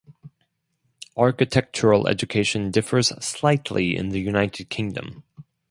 Architectural education differs slightly in the United Kingdom.